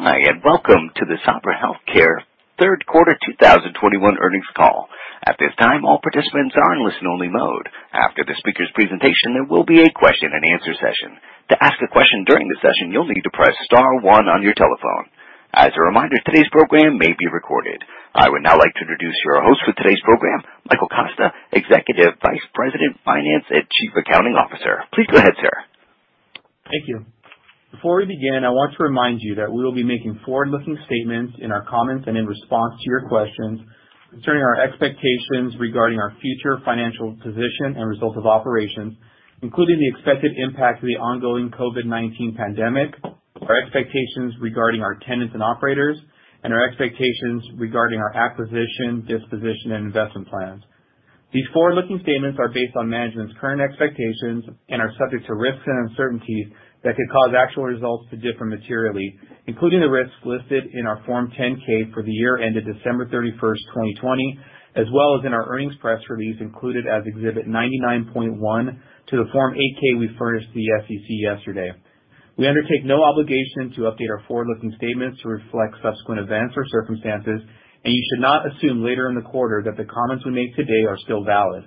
Standing by, welcome to the Sabra Health Care third quarter 2021 earnings call. At this time, all participants are in listen-only mode. After the speaker's presentation, there will be a question-and-answer session. To ask a question during the session, you'll need to press star one on your telephone. As a reminder, today's program may be recorded. I would now like to introduce your host for today's program, Michael Costa, Executive Vice President, Finance and Chief Accounting Officer. Please go ahead, sir. Thank you. Before we begin, I want to remind you that we will be making forward-looking statements in our comments and in response to your questions concerning our expectations regarding our future financial position and results of operations, including the expected impact of the ongoing COVID-19 pandemic, our expectations regarding our tenants and operators, and our expectations regarding our acquisition, disposition, and investment plans. These forward-looking statements are based on management's current expectations and are subject to risks and uncertainties that could cause actual results to differ materially, including the risks listed in our Form 10-K for the year ended December 31, 2020, as well as in our earnings press release included as Exhibit 99.1 to the Form 8-K we furnished the SEC yesterday. We undertake no obligation to update our forward-looking statements to reflect subsequent events or circumstances, and you should not assume later in the quarter that the comments we make today are still valid.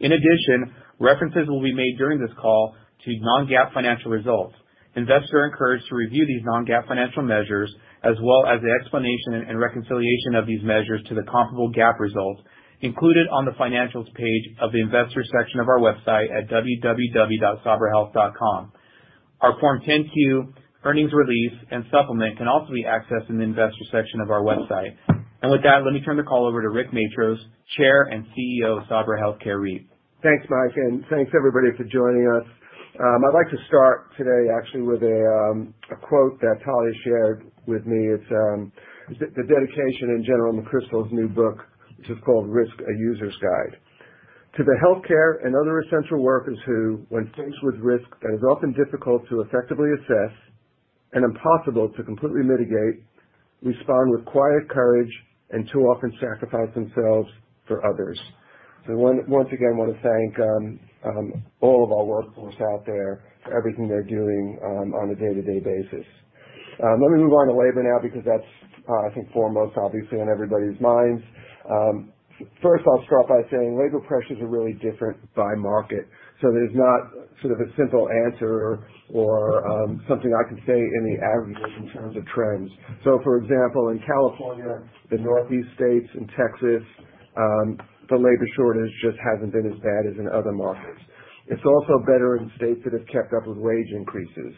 In addition, references will be made during this call to non-GAAP financial results. Investors are encouraged to review these non-GAAP financial measures, as well as the explanation and reconciliation of these measures to the comparable GAAP results included on the Financials page of the Investors section of our website at www.sabrahealth.com. Our Form 10-Q, earnings release, and supplement can also be accessed in the Investor section of our website. With that, let me turn the call over to Rick Matros, Chair and CEO of Sabra Health Care REIT. Thanks, Mike, and thanks everybody for joining us. I'd like to start today actually with a quote that Talya shared with me. It's the dedication in General McChrystal's new book, which is called Risk: A User's Guide. To the healthcare and other essential workers who, when faced with risk that is often difficult to effectively assess and impossible to completely mitigate, respond with quiet courage and too often sacrifice themselves for others. Once again, I wanna thank all of our workforce out there for everything they're doing on a day-to-day basis. Let me move on to labor now because that's, I think foremost, obviously on everybody's minds. First I'll start by saying labor pressures are really different by market, so there's not sort of a simple answer or something I can say in the aggregate in terms of trends. For example, in California, the Northeast states and Texas, the labor shortage just hasn't been as bad as in other markets. It's also better in states that have kept up with wage increases.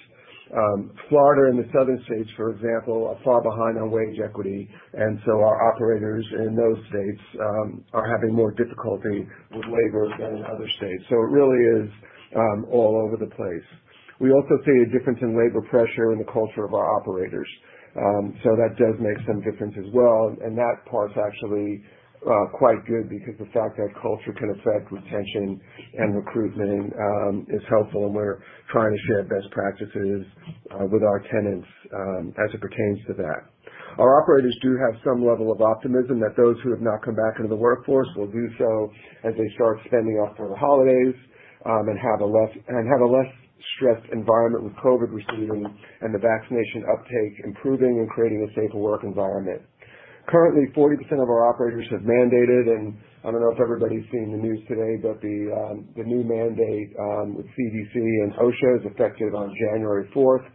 Florida and the Southern states, for example, are far behind on wage equity, and so our operators in those states are having more difficulty with labor than in other states. It really is all over the place. We also see a difference in labor pressure in the culture of our operators, so that does make some difference as well. That part's actually quite good because the fact that culture can affect retention and recruitment is helpful, and we're trying to share best practices with our tenants as it pertains to that. Our operators do have some level of optimism that those who have not come back into the workforce will do so as they start spending up for the holidays and have a less stressed environment with COVID receding and the vaccination uptake improving and creating a safer work environment. Currently, 40% of our operators have mandated, and I don't know if everybody's seen the news today, but the new mandate with CDC and OSHA is effective on January 4.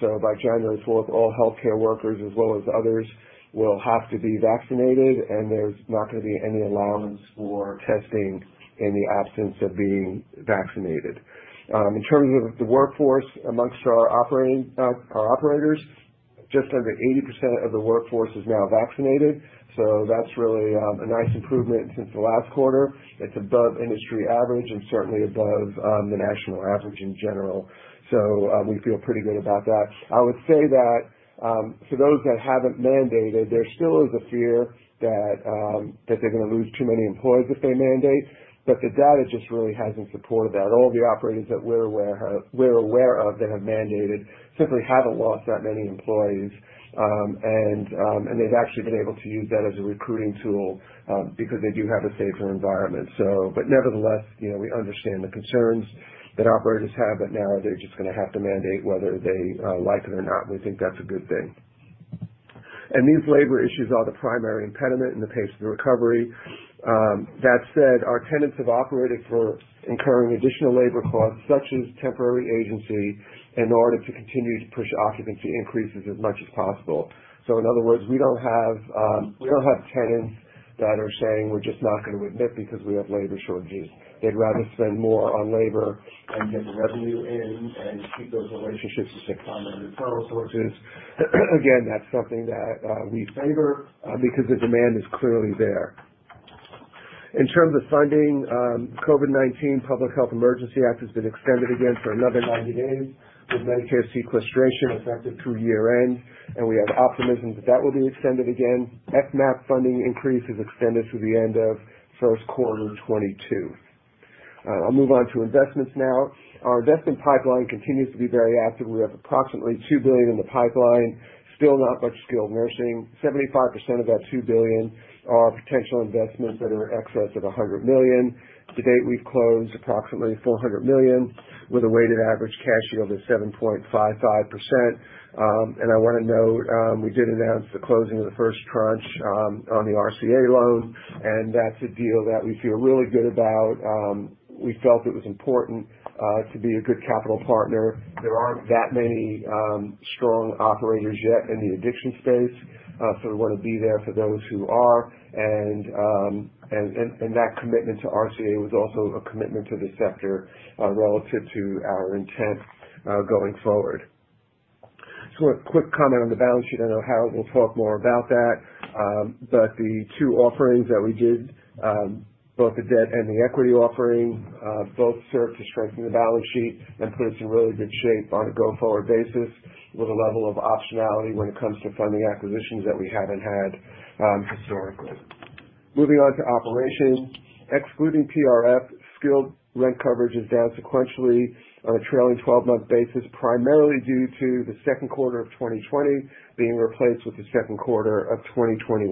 By January fourth, all healthcare workers as well as others will have to be vaccinated and there's not gonna be any allowance for testing in the absence of being vaccinated. In terms of the workforce amongst our operators, just under 80% of the workforce is now vaccinated, so that's really a nice improvement since the last quarter. It's above industry average and certainly above the national average in general. We feel pretty good about that. I would say that for those that haven't mandated, there still is a fear that they're gonna lose too many employees if they mandate, but the data just really hasn't supported that. All of the operators that we're aware of that have mandated simply haven't lost that many employees, and they've actually been able to use that as a recruiting tool, because they do have a safer environment. Nevertheless, you know, we understand the concerns that operators have, but now they're just gonna have to mandate whether they like it or not, and we think that's a good thing. These labor issues are the primary impediment in the pace of the recovery. That said, our tenants have operated by incurring additional labor costs, such as temporary agency, in order to continue to push occupancy increases as much as possible. In other words, we don't have tenants that are saying, We're just not gonna renew because we have labor shortages. They'd rather spend more on labor and get the revenue in and keep those relationships with their common referral sources. Again, that's something that we favor because the demand is clearly there. In terms of funding, COVID-19 Public Health Emergency has been extended again for another 90 days, with Medicare sequestration effective through year-end, and we have optimism that that will be extended again. FMAP funding increase is extended through the end of first quarter 2022. I'll move on to investments now. Our investment pipeline continues to be very active. We have approximately $2 billion in the pipeline. Still not much skilled nursing. 75% of that $2 billion are potential investments that are in excess of $100 million. To date, we've closed approximately $400 million with a weighted average cash yield of 7.55%. I wanna note we did announce the closing of the first tranche on the RCA loan, and that's a deal that we feel really good about. We felt it was important to be a good capital partner. There aren't that many strong operators yet in the addiction space, so we wanna be there for those who are. That commitment to RCA was also a commitment to the sector relative to our intent going forward. A quick comment on the balance sheet. I know Harold will talk more about that. The two offerings that we did, both the debt and the equity offering, both served to strengthen the balance sheet and put us in really good shape on a go-forward basis with a level of optionality when it comes to funding acquisitions that we haven't had, historically. Moving on to operations. Excluding PRF, skilled rent coverage is down sequentially on a trailing twelve-month basis, primarily due to the second quarter of 2020 being replaced with the second quarter of 2021.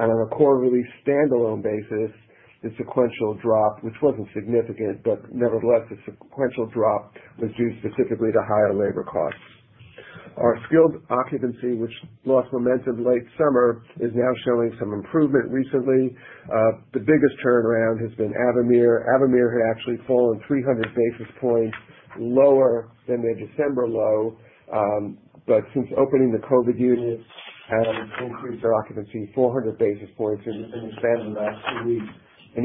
On a core release standalone basis, the sequential drop, which wasn't significant, but nevertheless, the sequential drop was due specifically to higher labor costs. Our skilled occupancy, which lost momentum late summer, is now showing some improvement recently. The biggest turnaround has been Avamere. Avamere had actually fallen 300 basis points lower than their December low, but since opening the COVID units have increased their occupancy 400 basis points in the span of the last two weeks.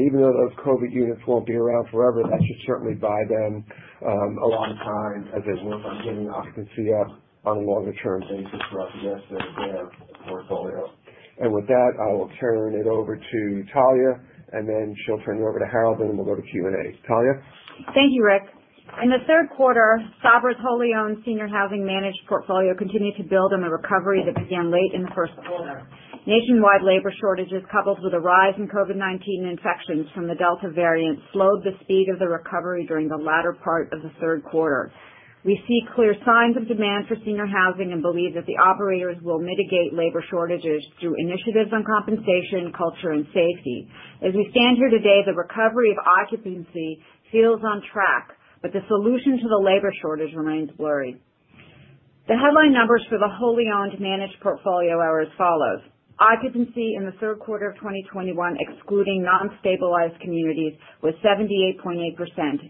Even though those COVID units won't be around forever, that should certainly buy them a lot of time as they work on getting occupancy up on a longer-term basis throughout the rest of their portfolio. With that, I will turn it over to Talya, and then she'll turn it over to Harold, and we'll go to Q&A. Talya? Thank you, Rick. In the third quarter, Sabra's wholly owned senior housing managed portfolio continued to build on the recovery that began late in the first quarter. Nationwide labor shortages, coupled with a rise in COVID-19 infections from the Delta variant, slowed the speed of the recovery during the latter part of the third quarter. We see clear signs of demand for senior housing and believe that the operators will mitigate labor shortages through initiatives on compensation, culture, and safety. As we stand here today, the recovery of occupancy feels on track, but the solution to the labor shortage remains blurry. The headline numbers for the wholly owned managed portfolio are as follows: Occupancy in the third quarter of 2021, excluding non-stabilized communities, was 78.8%,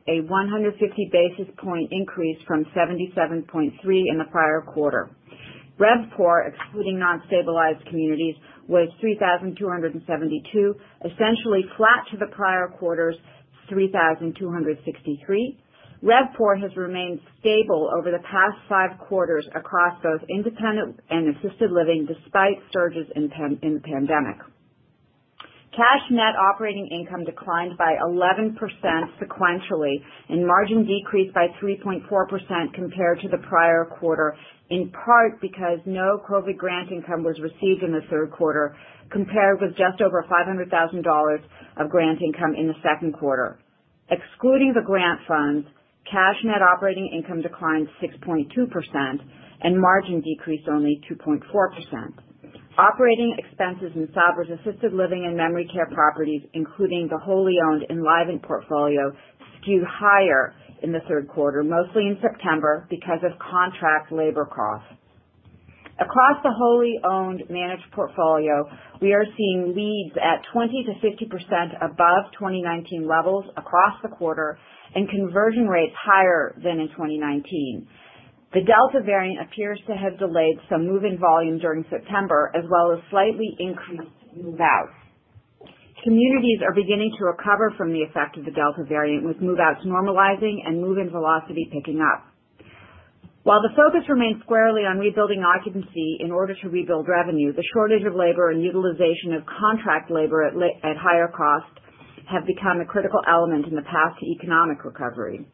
a 150 basis point increase from 77.3 in the prior quarter. RevPOR, excluding non-stabilized communities, was 3,272, essentially flat to the prior quarter's 3,263. RevPOR has remained stable over the past five quarters across both independent and assisted living despite surges in the pandemic. Cash net operating income declined by 11% sequentially, and margin decreased by 3.4% compared to the prior quarter, in part because no COVID grant income was received in the third quarter, compared with just over $500,000 of grant income in the second quarter. Excluding the grant funds, cash net operating income declined 6.2% and margin decreased only 2.4%. Operating expenses in Sabra's assisted living and memory care properties, including the wholly owned Enlivant portfolio, skewed higher in the third quarter, mostly in September, because of contract labor costs. Across the wholly owned managed portfolio, we are seeing leads at 20%-50% above 2019 levels across the quarter and conversion rates higher than in 2019. The Delta variant appears to have delayed some move-in volume during September, as well as slightly increased move-outs. Communities are beginning to recover from the effect of the Delta variant, with move-outs normalizing and move-in velocity picking up. While the focus remains squarely on rebuilding occupancy in order to rebuild revenue, the shortage of labor and utilization of contract labor at higher cost have become a critical element in the path to economic recovery.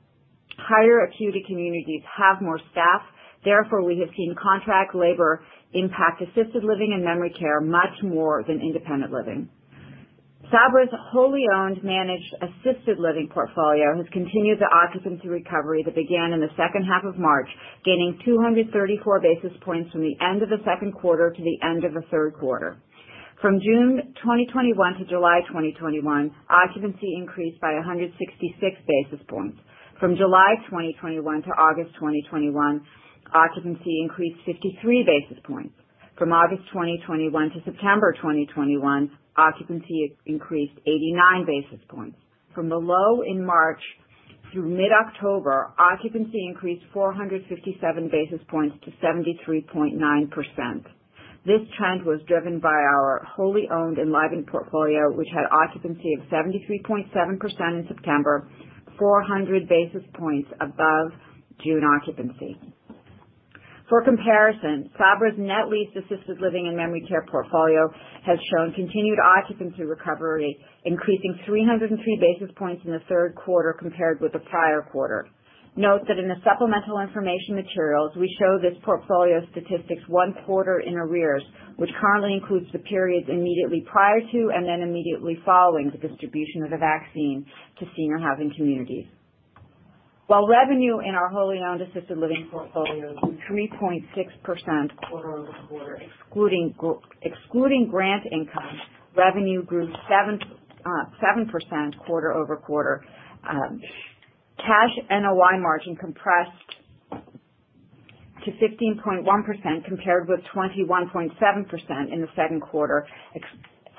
Higher acuity communities have more staff. Therefore, we have seen contract labor impact assisted living and memory care much more than independent living. Sabra's wholly owned managed assisted living portfolio has continued the occupancy recovery that began in the second half of March, gaining 234 basis points from the end of the second quarter to the end of the third quarter. From June 2021 to July 2021, occupancy increased by 166 basis points. From July 2021 to August 2021, occupancy increased 53 basis points. From August 2021 to September 2021, occupancy increased 89 basis points. From the low in March through mid-October, occupancy increased 457 basis points to 73.9%. This trend was driven by our wholly owned Enlivant portfolio, which had occupancy of 73.7% in September, 400 basis points above June occupancy. For comparison, Sabra's net leased assisted living and memory care portfolio has shown continued occupancy recovery, increasing 303 basis points in the third quarter compared with the prior quarter. Note that in the supplemental information materials, we show this portfolio statistics one quarter in arrears, which currently includes the periods immediately prior to and then immediately following the distribution of the vaccine to senior housing communities. While revenue in our wholly owned assisted living portfolio is 3.6% quarter-over-quarter, excluding grant income, revenue grew 7% quarter-over-quarter. Cash NOI margin compressed to 15.1% compared with 21.7% in the second quarter,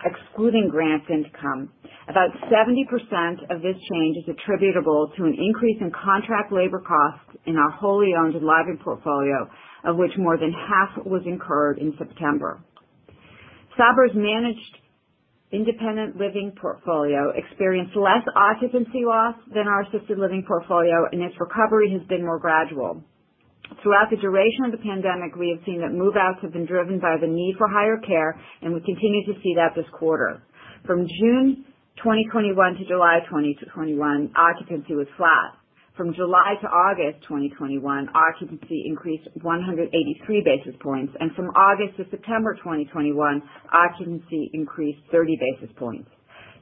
excluding grant income. About 70% of this change is attributable to an increase in contract labor costs in our wholly owned Enlivant portfolio, of which more than half was incurred in September. Sabra's managed independent living portfolio experienced less occupancy loss than our assisted living portfolio, and its recovery has been more gradual. Throughout the duration of the pandemic, we have seen that move-outs have been driven by the need for higher care, and we continue to see that this quarter. From June 2021 to July 2021, occupancy was flat. From July to August 2021, occupancy increased 183 basis points. From August to September 2021, occupancy increased 30 basis points.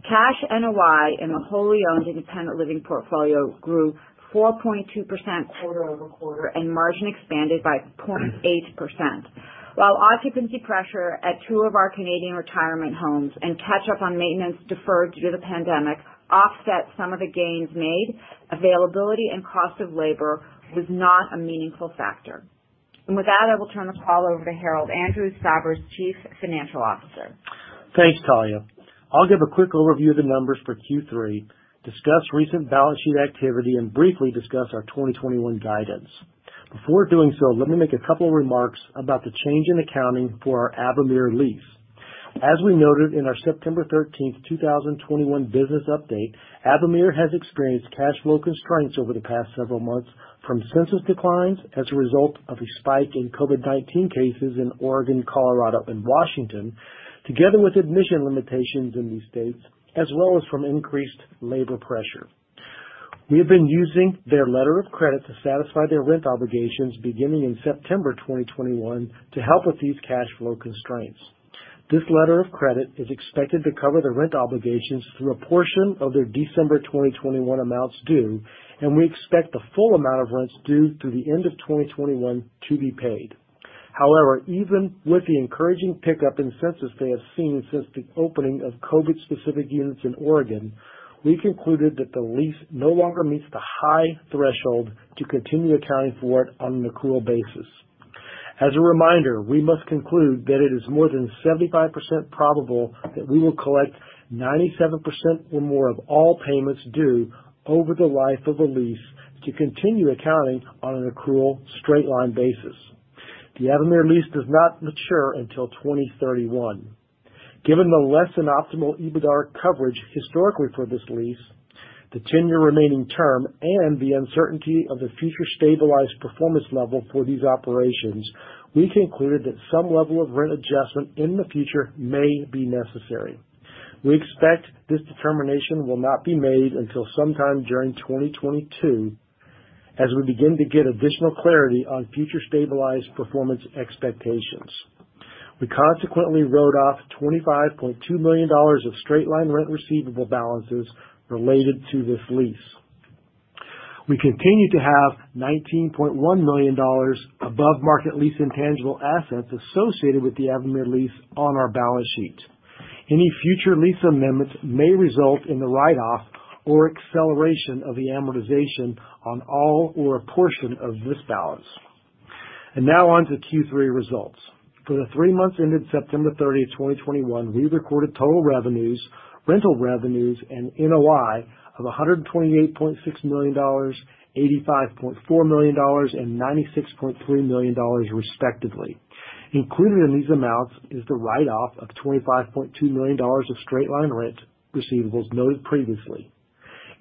Cash NOI in the wholly owned independent living portfolio grew 4.2% quarter-over-quarter and margin expanded by 0.8%. While occupancy pressure at two of our Canadian retirement homes and catching up on maintenance deferred due to the pandemic offset some of the gains made, availability and cost of labor was not a meaningful factor. With that, I will turn the call over to Harold Andrews, Sabra's Chief Financial Officer. Thanks, Talya. I'll give a quick overview of the numbers for Q3, discuss recent balance sheet activity, and briefly discuss our 2021 guidance. Before doing so, let me make a couple of remarks about the change in accounting for our Avamere lease. As we noted in our September 13, 2021 business update, Avamere has experienced cash flow constraints over the past several months from census declines as a result of a spike in COVID-19 cases in Oregon, Colorado, and Washington, together with admission limitations in these states, as well as from increased labor pressure. We have been using their letter of credit to satisfy their rent obligations beginning in September 2021 to help with these cash flow constraints. This letter of credit is expected to cover the rent obligations through a portion of their December 2021 amounts due, and we expect the full amount of rents due through the end of 2021 to be paid. However, even with the encouraging pickup in census they have seen since the opening of COVID-specific units in Oregon, we concluded that the lease no longer meets the high threshold to continue accounting for it on an accrual basis. As a reminder, we must conclude that it is more than 75% probable that we will collect 97% or more of all payments due over the life of the lease to continue accounting on an accrual straight-line basis. The Avamere lease does not mature until 2031. Given the less than optimal EBITDAR coverage historically for this lease, the 10-year remaining term and the uncertainty of the future stabilized performance level for these operations, we concluded that some level of rent adjustment in the future may be necessary. We expect this determination will not be made until sometime during 2022, as we begin to get additional clarity on future stabilized performance expectations. We consequently wrote off $25.2 million of straight-line rent receivable balances related to this lease. We continue to have $19.1 million above market lease intangible assets associated with the Avamere lease on our balance sheet. Any future lease amendments may result in the write-off or acceleration of the amortization on all or a portion of this balance. Now on to Q3 results. For the three months ended September 30, 2021, we recorded total revenues, rental revenues, and NOI of $128.6 million, $85.4 million, and $96.3 million, respectively. Included in these amounts is the write-off of $25.2 million of straight-line rent receivables noted previously.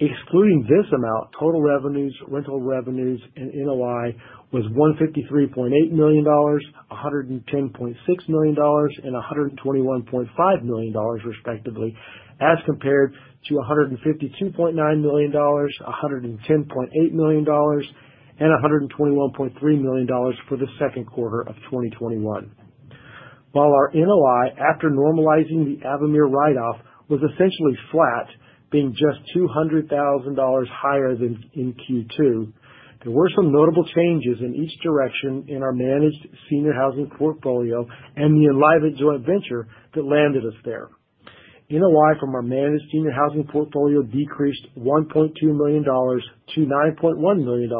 Excluding this amount, total revenues, rental revenues, and NOI was $153.8 million, $110.6 million, and $121.5 million, respectively, as compared to $152.9 million, $110.8 million, and $121.3 million for the second quarter of 2021. While our NOI, after normalizing the Avamere write-off, was essentially flat, being just $200,000 higher than in Q2, there were some notable changes in each direction in our managed senior housing portfolio and the Enlivant joint venture that landed us there. NOI from our managed senior housing portfolio decreased $1.2 million to $9.1 million,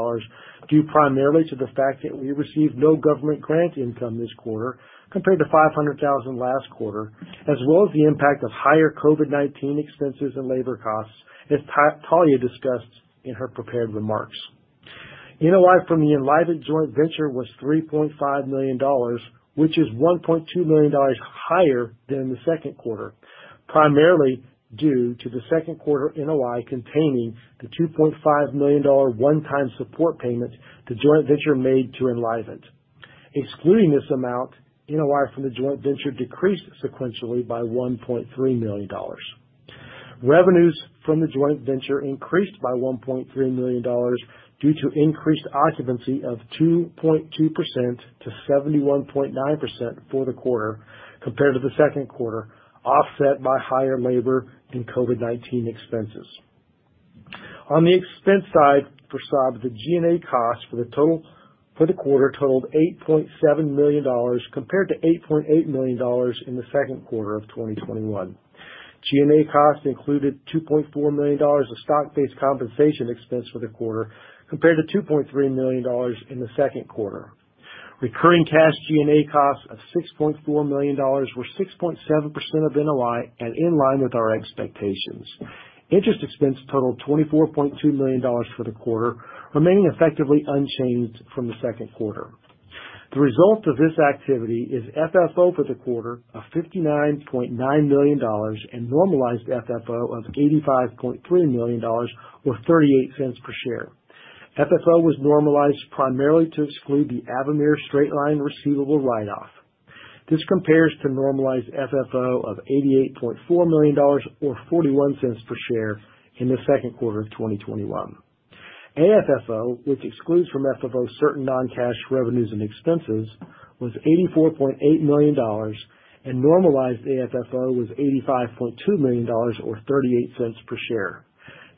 due primarily to the fact that we received no government grant income this quarter compared to $500,000 last quarter, as well as the impact of higher COVID-19 expenses and labor costs, as Talya discussed in her prepared remarks. NOI from the Enlivant joint venture was $3.5 million, which is $1.2 million higher than the second quarter, primarily due to the second quarter NOI containing the $2.5 million one-time support payment the joint venture made to Enlivant. Excluding this amount, NOI from the joint venture decreased sequentially by $1.3 million. Revenues from the joint venture increased by $1.3 million due to increased occupancy of 2.2% to 71.9% for the quarter compared to the second quarter, offset by higher labor and COVID-19 expenses. On the expense side for Sabra, the G&A cost for the quarter totaled $8.7 million compared to $8.8 million in the second quarter of 2021. G&A costs included $2.4 million of stock-based compensation expense for the quarter, compared to $2.3 million in the second quarter. Recurring cash G&A costs of $6.4 million were 6.7% of NOI and in line with our expectations. Interest expense totaled $24.2 million for the quarter, remaining effectively unchanged from the second quarter. The result of this activity is FFO for the quarter of $59.9 million and normalized FFO of $85.3 million or $0.38 per share. FFO was normalized primarily to exclude the Avamere straight-line receivable write-off. This compares to normalized FFO of $88.4 million or $0.41 per share in the second quarter of 2021. AFFO, which excludes from FFO certain non-cash revenues and expenses, was $84.8 million, and normalized AFFO was $85.2 million or $0.38 per share.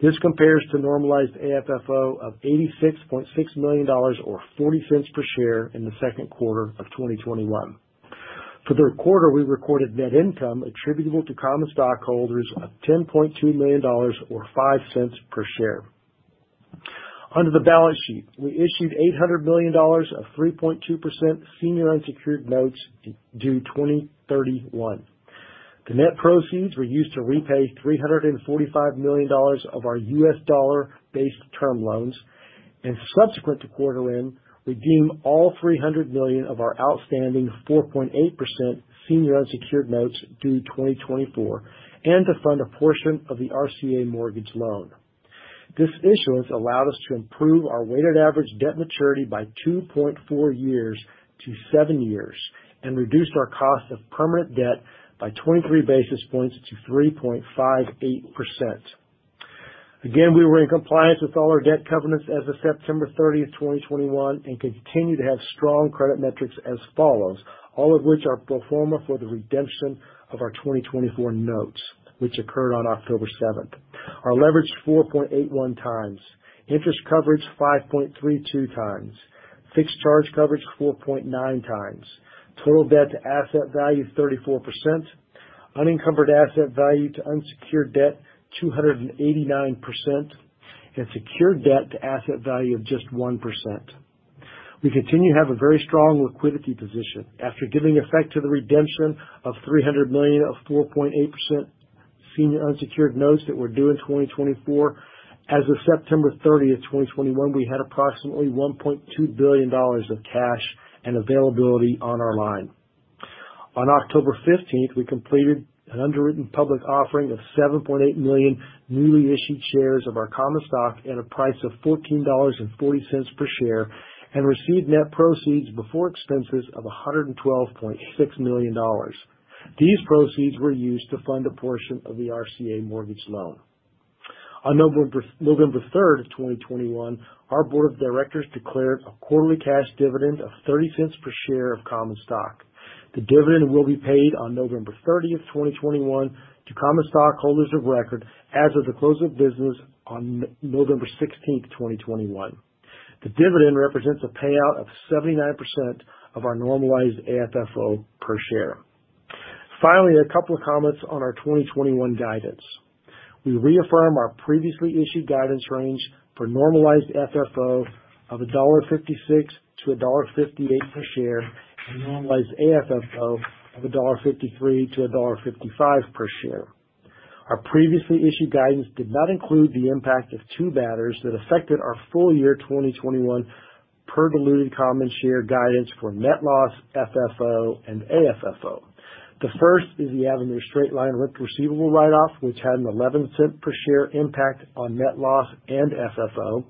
This compares to normalized AFFO of $86.6 million or $0.40 per share in the second quarter of 2021. For the quarter, we recorded net income attributable to common stockholders of $10.2 million or $0.05 per share. Under the balance sheet, we issued $800 million of 3.2% senior unsecured notes due 2031. The net proceeds were used to repay $345 million of our U.S. dollar-based term loans, and subsequent to quarter end, redeem all $300 million of our outstanding 4.8% senior unsecured notes due 2024, and to fund a portion of the RCA mortgage loan. This issuance allowed us to improve our weighted average debt maturity by 2.4 years to seven years and reduced our cost of permanent debt by 23 basis points to 3.58%. Again, we were in compliance with all our debt covenants as of September 30, 2021, and continue to have strong credit metrics as follows, all of which are pro forma for the redemption of our 2024 notes, which occurred on October 7. Our leverage, 4.81x. Interest coverage, 5.32x. Fixed charge coverage, 4.9x. Total debt to asset value, 34%. Unencumbered asset value to unsecured debt, 289%. Secured debt to asset value of just 1%. We continue to have a very strong liquidity position. After giving effect to the redemption of $300 million of 4.8% senior unsecured notes that we're due in 2024, as of September 30, 2021, we had approximately $1.2 billion of cash and availability on our line. On October 15, we completed an underwritten public offering of 7.8 million newly issued shares of our common stock at a price of $14.40 per share and received net proceeds before expenses of $112.6 million. These proceeds were used to fund a portion of the RCA mortgage loan. On November 3, 2021, our board of directors declared a quarterly cash dividend of $0.30 per share of common stock. The dividend will be paid on November 30, 2021 to common stockholders of record as of the close of business on November 16, 2021. The dividend represents a payout of 79% of our normalized AFFO per share. Finally, a couple of comments on our 2021 guidance. We reaffirm our previously issued guidance range for normalized FFO of $1.56-$1.58 per share and normalized AFFO of $1.53-$1.55 per share. Our previously issued guidance did not include the impact of two matters that affected our full year 2021 per diluted common share guidance for net loss, FFO, and AFFO. The first is the Avamere straight-line rent receivable write-off, which had an $0.11 per share impact on net loss and FFO.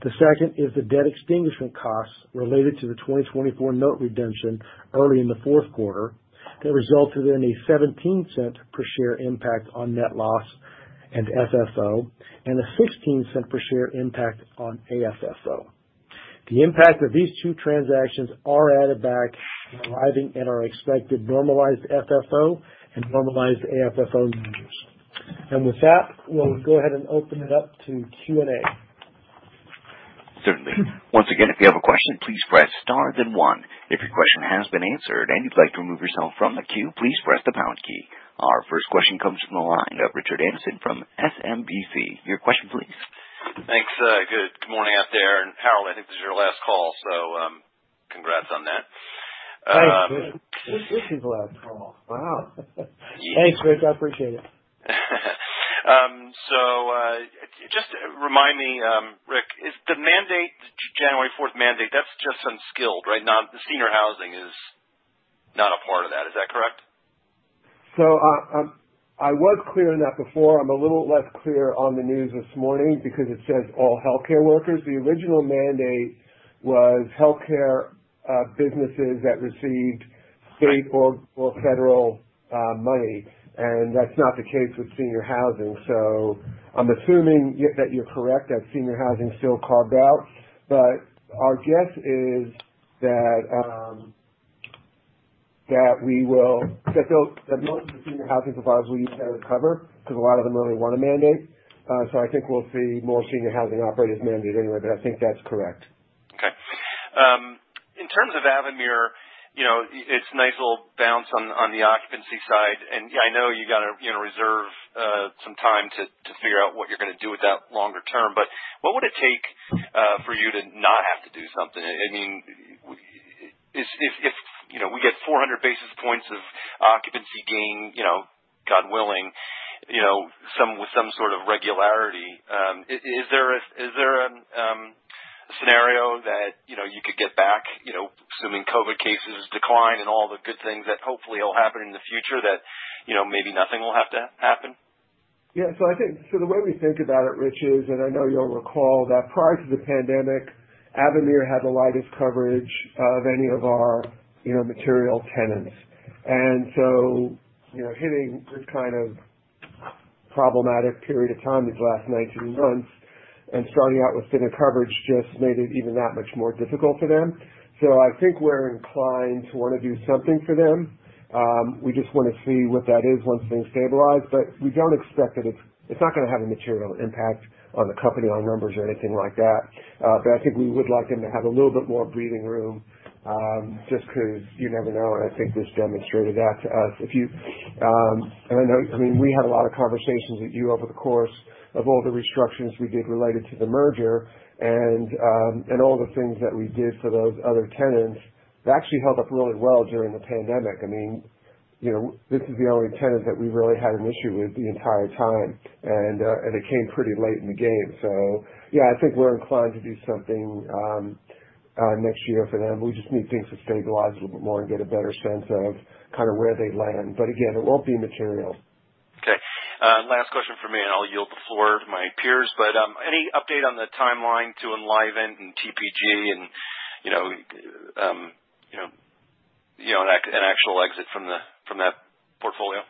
The second is the debt extinguishment costs related to the 2024 note redemption early in the fourth quarter that resulted in a $0.17 per share impact on net loss and FFO, and a $0.16 per share impact on AFFO. The impact of these two transactions are added back, arriving at our expected normalized FFO and normalized AFFO measures. With that, we'll go ahead and open it up to Q&A. Certainly. Once again, if you have a question, please press star then one. If your question has been answered and you'd like to remove yourself from the queue, please press the pound key. Our first question comes from the line of Richard Anderson from SMBC. Your question please. Thanks, good morning out there. Harold, I think this is your last call. Congrats on that. Thanks, this is the last call. Wow. Thanks, Rick. I appreciate it. Just remind me, Rick, is the mandate, January fourth mandate, that's just skilled, right? Not the senior housing is not a part of that. Is that correct? I was clear on that before. I'm a little less clear on the news this morning because it says all healthcare workers. The original mandate was healthcare businesses that received state or federal money, and that's not the case with senior housing. I'm assuming that you're correct that senior housing is still carved out. Our guess is that most of the senior housing providers will need to have coverage because a lot of them really want to mandate. I think we'll see more senior housing operators mandate anyway, but I think that's correct. Okay. In terms of Avamere, you know, it's nice little bounce on the occupancy side. I know you gotta, you know, reserve some time to figure out what you're gonna do with that longer term, but what would it take for you to not have to do something? I mean, if you know, we get 400 basis points of occupancy gain, you know, God willing, you know, some with some sort of regularity, is there a scenario that you know, you could get back, you know, assuming COVID cases decline and all the good things that hopefully will happen in the future that you know, maybe nothing will have to happen? Yeah. I think the way we think about it, Rich, is, and I know you'll recall, that prior to the pandemic, Avamere had the lightest coverage of any of our, you know, material tenants. You know, hitting this kind of problematic period of time these last 19 months and starting out with thinner coverage just made it even that much more difficult for them. I think we're inclined to wanna do something for them. We just wanna see what that is once things stabilize. We don't expect that it's not gonna have a material impact on the company, on numbers or anything like that. I think we would like them to have a little bit more breathing room, just because you never know, and I think this demonstrated that to us. If you and I know, I mean, we had a lot of conversations with you over the course of all the restructurings we did related to the merger and all the things that we did for those other tenants. That actually held up really well during the pandemic. I mean, you know, this is the only tenant that we really had an issue with the entire time. It came pretty late in the game. Yeah, I think we're inclined to do something next year for them. We just need things to stabilize a little bit more and get a better sense of kind of where they land. Again, it won't be material. Okay. Last question from me, and I'll yield the floor to my peers. Any update on the timeline to Enlivant and TPG and an actual exit from that portfolio?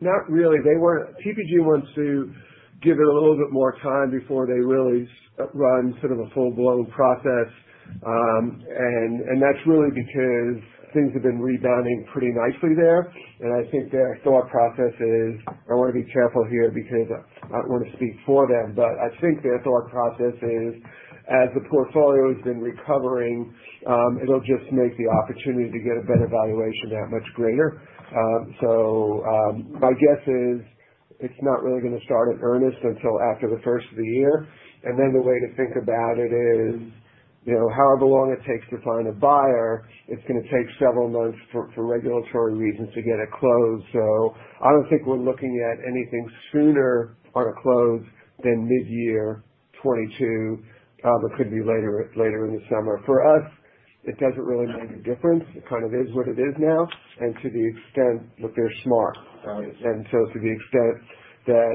Not really. TPG wants to give it a little bit more time before they really start to run sort of a full-blown process. That's really because things have been rebounding pretty nicely there. I think their thought process is, I wanna be careful here because I don't wanna speak for them, but I think their thought process is, as the portfolio's been recovering, it'll just make the opportunity to get a better valuation that much greater. My guess is it's not really gonna start in earnest until after the first of the year. Then the way to think about it is, you know, however long it takes to find a buyer, it's gonna take several months for regulatory reasons to get it closed. I don't think we're looking at anything sooner on a close than mid-year 2022. It could be later in the summer. For us, it doesn't really make a difference. It kind of is what it is now. To the extent that they're smart, to the extent that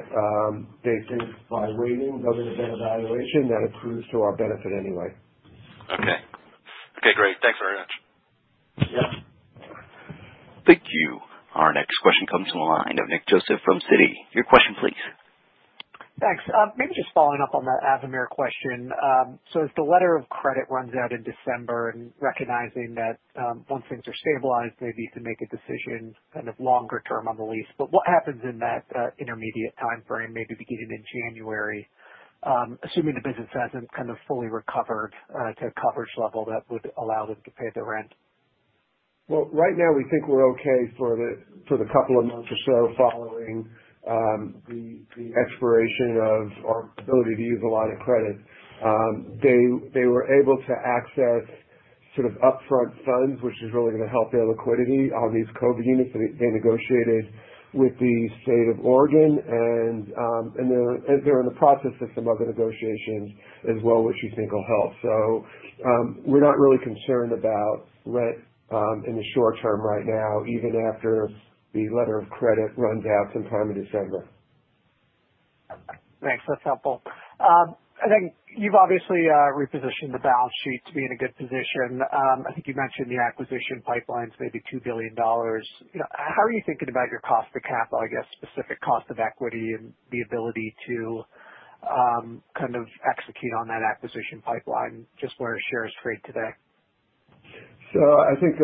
they think by waiting they'll get a better valuation, that accrues to our benefit anyway. Okay. Okay, great. Thanks very much. Yeah. Thank you. Our next question comes from the line of Nick Joseph from Citi. Your question please. Thanks. Maybe just following up on that Avamere question. So if the letter of credit runs out in December and recognizing that, once things are stabilized, maybe you can make a decision kind of longer term on the lease. What happens in that intermediate timeframe, maybe beginning in January, assuming the business hasn't kind of fully recovered to a coverage level that would allow them to pay their rent? Well, right now we think we're okay for the couple of months or so following the expiration of our ability to use a line of credit. They were able to access sort of upfront funds, which is really gonna help their liquidity on these COVID units. They negotiated with the state of Oregon and they're in the process of some other negotiations as well, which we think will help. We're not really concerned about rent in the short term right now, even after the letter of credit runs out sometime in December. Thanks. That's helpful. I think you've obviously repositioned the balance sheet to be in a good position. I think you mentioned the acquisition pipeline's maybe $2 billion. You know, how are you thinking about your cost to capital, I guess, specific cost of equity and the ability to kind of execute on that acquisition pipeline just where shares are trading today? I think,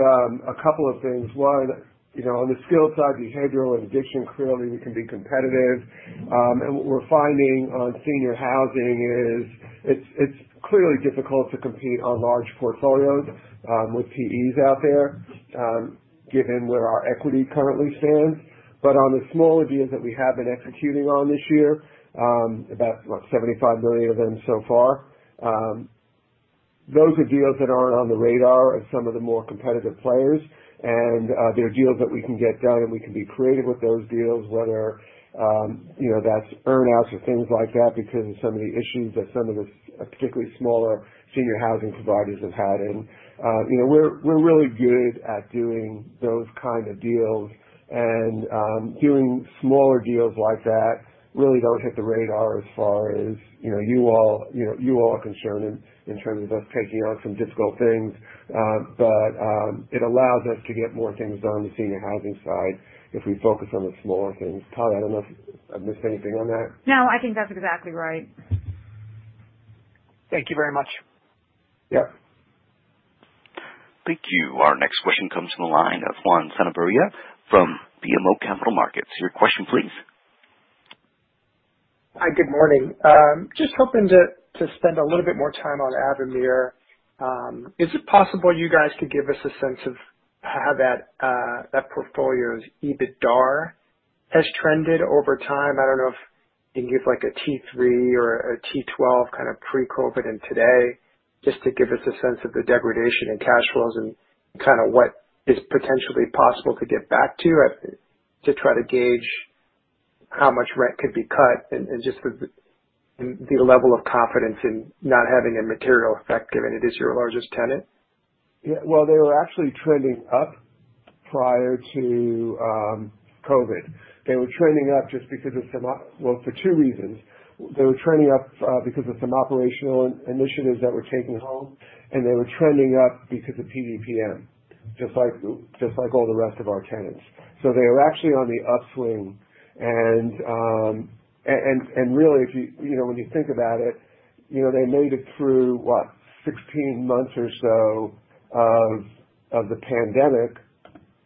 a couple of things. One, you know, on the skilled side, behavioral and addiction, clearly we can be competitive. What we're finding on senior housing is it's clearly difficult to compete on large portfolios with REITs out there, given where our equity currently stands. On the smaller deals that we have been executing on this year, about, what? $75 million of them so far, those are deals that aren't on the radar of some of the more competitive players. They're deals that we can get done, and we can be creative with those deals, whether, you know, that's earn outs or things like that because of some of the issues that some of the, particularly smaller senior housing providers have had. You know, we're really good at doing those kind of deals. Doing smaller deals like that really don't hit the radar as far as, you know, you all are concerned in terms of us taking on some difficult things. It allows us to get more things done on the senior housing side if we focus on the smaller things. Talya [Hacohen], I don't know if I've missed anything on that. No, I think that's exactly right. Thank you very much. Yep. Thank you. Our next question comes from the line of Juan Sanabria from BMO Capital Markets. Your question please. Hi, good morning. Just hoping to spend a little bit more time on Avamere. Is it possible you guys could give us a sense of how that portfolio's EBITDAR has trended over time? I don't know if you can give like a T3 or a T12 kind of pre-COVID and today, just to give us a sense of the degradation in cash flows and kinda what is potentially possible to get back to try to gauge how much rent could be cut and just the level of confidence in not having a material effect, given it is your largest tenant. Yeah. Well, they were actually trending up prior to COVID. They were trending up just because of some well, for two reasons. They were trending up because of some operational initiatives that were taken on, and they were trending up because of PDPM, just like all the rest of our tenants. So they were actually on the upswing. And really, if you know, when you think about it, you know, they made it through what, 16 months or so of the pandemic,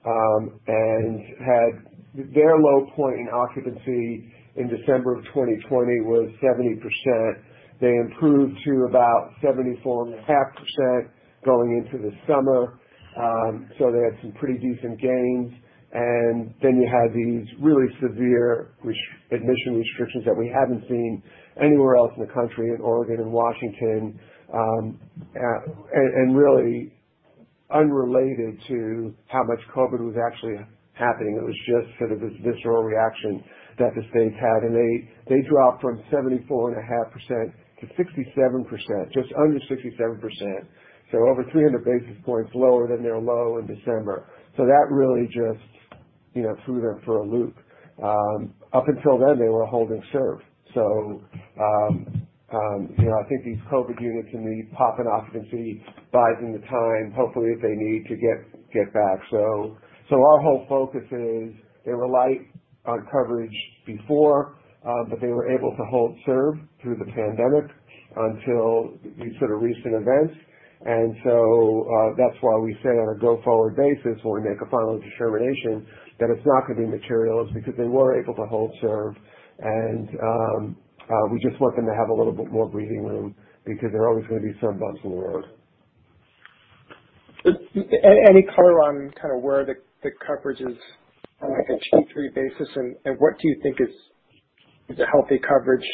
and had their low point in occupancy in December of 2020 was 70%. They improved to about 74.5% going into the summer. So they had some pretty decent gains. And then you had these really severe readmission restrictions that we haven't seen anywhere else in the country in Oregon and Washington. Really unrelated to how much COVID was actually happening, it was just sort of this visceral reaction that the states had. They dropped from 74.5% to 67%, just under 67%. Over 300 basis points lower than their low in December. That really just, you know, threw them for a loop. Up until then, they were hold and serve. You know, I think these COVID units and the dropping occupancy biding their time, hopefully, if they need to get back. Our whole focus is they were light on coverage before, but they were able to hold and serve through the pandemic until these sort of recent events. That's why we say on a go-forward basis, when we make a final determination, that it's not gonna be material is because they were able to hold serve and we just want them to have a little bit more breathing room because there are always gonna be some bumps in the road. Any color on kind of where the coverage is on like a T3 basis and what do you think is a healthy coverage?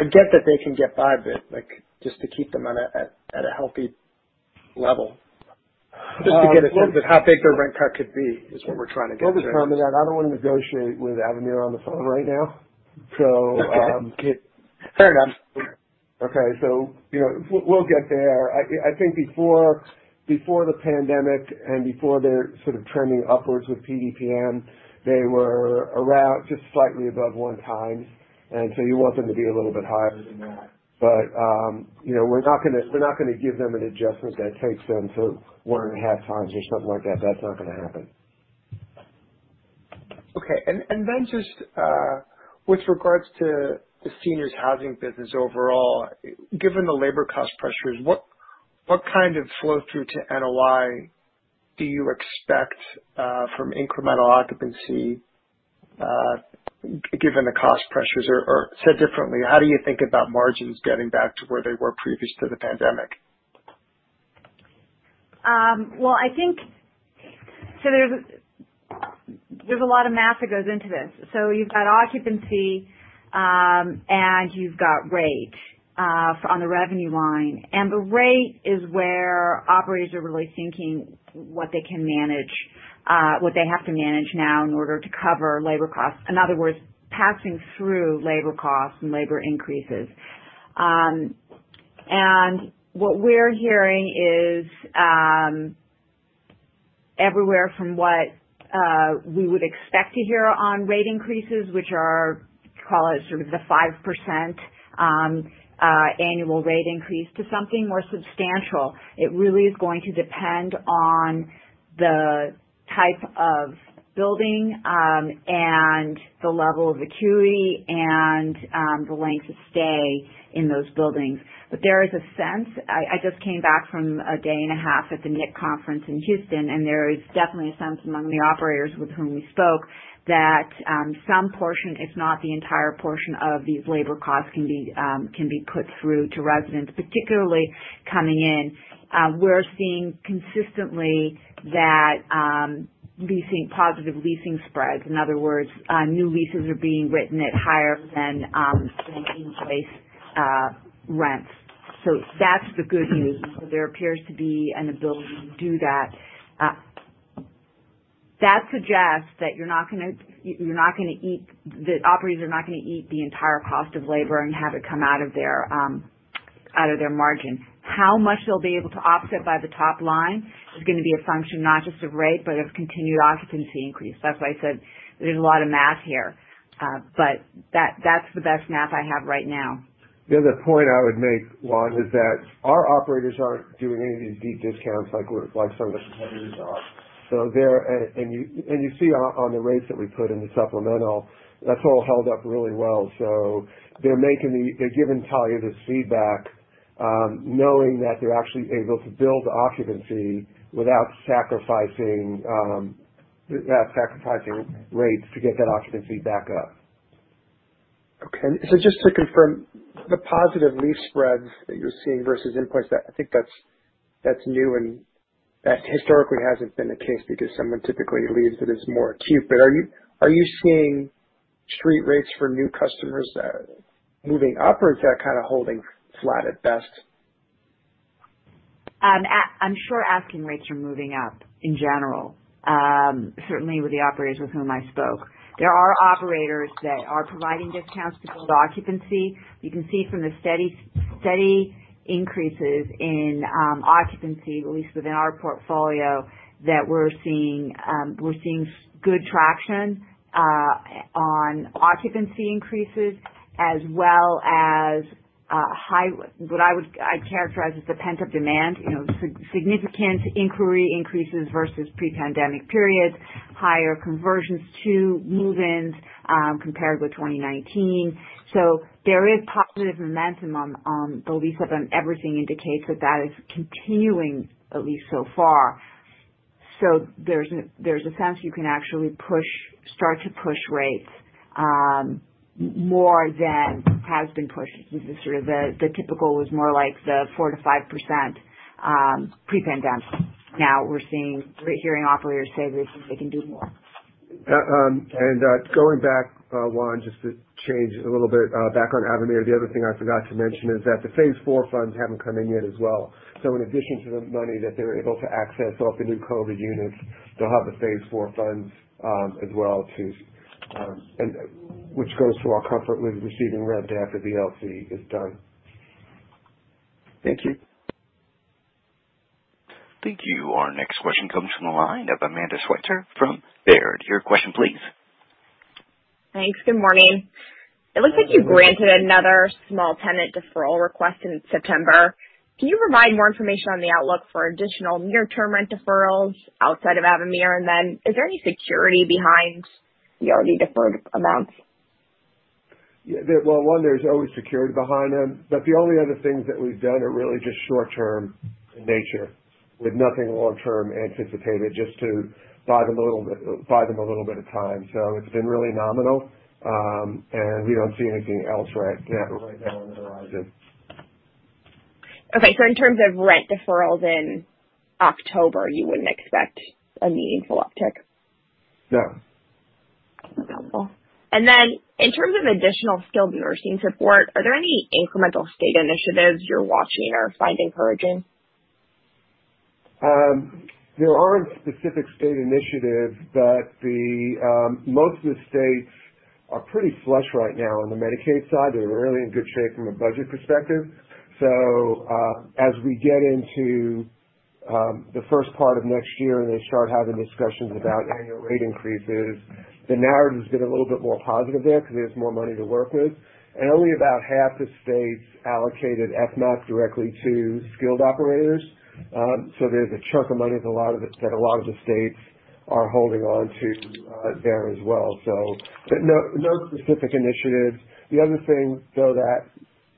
I get that they can get by, but like just to keep them at a healthy level. Just to get a sense of how big their rent cut could be is what we're trying to get to. Well, the problem is I don't wanna negotiate with Avamere on the phone right now. Okay. Fair enough. Okay. You know, we'll get there. I think before the pandemic and before they're sort of trending upwards with PDPM, they were around just slightly above 1x, and you want them to be a little bit higher than that. You know, we're not gonna give them an adjustment that takes them to 1.5x or something like that. That's not gonna happen. Okay. Then just with regards to the seniors' housing business overall, given the labor cost pressures, what kind of flow through to NOI do you expect from incremental occupancy given the cost pressures? Said differently, how do you think about margins getting back to where they were previous to the pandemic? Well, I think there's a lot of math that goes into this. You've got occupancy, and you've got rate, on the revenue line. The rate is where operators are really thinking what they can manage, what they have to manage now in order to cover labor costs. In other words, passing through labor costs and labor increases. What we're hearing is everywhere, from what we would expect to hear on rate increases, which are call it sort of the 5% annual rate increase, to something more substantial. It really is going to depend on the type of building, and the level of acuity and the length of stay in those buildings. There is a sense. I just came back from a day and a half at the NIC conference in Houston, and there is definitely a sense among the operators with whom we spoke that some portion, if not the entire portion, of these labor costs can be put through to residents, particularly coming in. We're seeing consistently that leasing positive leasing spreads. In other words, new leases are being written at higher than in place rents. That's the good news. There appears to be an ability to do that. That suggests that the operators are not gonna eat the entire cost of labor and have it come out of their margin. How much they'll be able to offset by the top line is gonna be a function not just of rate, but of continued occupancy increase. That's why I said there's a lot of math here, but that's the best math I have right now. The other point I would make, Juan, is that our operators aren't doing any of these deep discounts like some of the competitors are. There, and you see on the rates that we put in the supplemental, that's all held up really well. They're giving Talya the feedback, knowing that they're actually able to build occupancy without sacrificing rates to get that occupancy back up. Okay. Just to confirm, the positive lease spreads that you're seeing versus inputs, I think that's new and that historically hasn't been the case because someone typically leaves that it's more acute. Are you seeing street rates for new customers moving up or is that kind of holding flat at best? I'm sure asking rates are moving up in general, certainly with the operators with whom I spoke. There are operators that are providing discounts to build occupancy. You can see from the steady increases in occupancy, at least within our portfolio, that we're seeing good traction on occupancy increases as well as high, what I'd characterize as the pent-up demand. Significant inquiry increases versus pre-pandemic periods, higher conversions to move-ins, compared with 2019. There is positive momentum on beliefs that everything indicates that is continuing, at least so far. There's a sense you can actually start to push rates more than has been pushed. This is sort of the typical was more like the 4%-5% pre-pandemic. Now we're seeing, we're hearing operators say they can do more. Going back, Juan, just to change a little bit, back on Avamere. The other thing I forgot to mention is that the phase four funds haven't come in yet as well. In addition to the money that they're able to access off the new COVID units, they'll have the phase four funds as well, which goes to our comfort with receiving rent after the LC is done. Thank you. Thank you. Our next question comes from the line of Amanda Sweitzer from Baird. Your question please. Thanks. Good morning. It looks like you granted another small tenant deferral request in September. Can you provide more information on the outlook for additional near-term rent deferrals outside of Avamere? And then is there any security behind the already deferred amounts? Yeah. Well, one, there's always security behind them. But the only other things that we've done are really just short term in nature, with nothing long term anticipated, just to buy them a little bit of time. It's been really nominal. And we don't see anything else right now on the horizon. Okay. In terms of rent deferrals in October, you wouldn't expect a meaningful uptick? No. That's helpful. In terms of additional skilled nursing support, are there any incremental state initiatives you're watching or find encouraging? There aren't specific state initiatives, but most of the states are pretty flush right now on the Medicaid side. They're really in good shape from a budget perspective. As we get into the first part of next year and they start having discussions about annual rate increases, the narrative's been a little bit more positive there because they have more money to work with. Only about half the states allocated FMAP directly to skilled operators. There's a chunk of money, a lot of it, that a lot of the states are holding onto there as well. No specific initiatives. The other thing though, that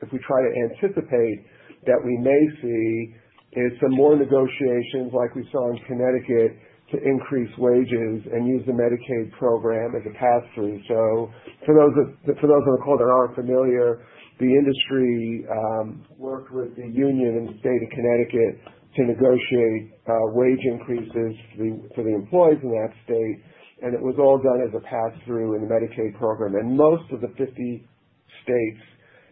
if we try to anticipate that we may see is some more negotiations like we saw in Connecticut to increase wages and use the Medicaid program as a pass-through. For those on the call that aren't familiar, the industry worked with the union in the state of Connecticut to negotiate wage increases for the employees in that state. It was all done as a pass-through in the Medicaid program. Most of the 50 states